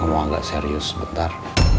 emang enggak serius bentar